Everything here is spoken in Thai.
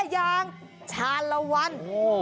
ยางชารวรรต์